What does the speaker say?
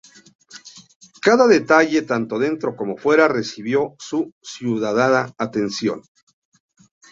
Cada detalle, tanto dentro como fuera, recibió su cuidada atención".